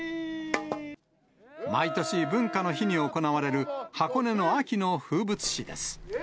毎年、文化の日に行われる箱根の秋の風物詩です。